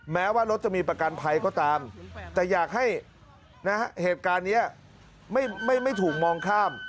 แม้ว่ารถจะมีประกันภัยก็ตามแต่อยากให้เหตุการณ์นี้ไม่ถูกมองข้าม